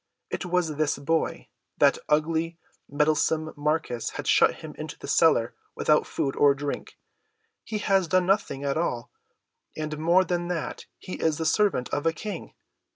It was this boy. That ugly, meddlesome Marcus had shut him into the cellar without food or drink. He has done nothing at all, and more than that he is the servant of a King.